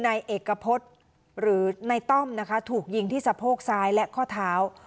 นายเอกพฤษหรือในต้อมนะคะถูกยิงที่สะโพกซ้ายและข้อเท้า